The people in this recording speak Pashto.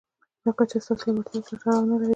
دا کچه ستاسې له وړتیاوو سره تړاو نه لري.